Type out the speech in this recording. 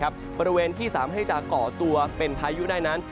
บริเวณที่สามารถให้จะก่อตัวเป็นพายุได้นั้น